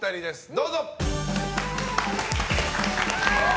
どうぞ！